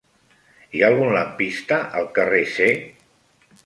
Hi ha algun lampista al carrer C?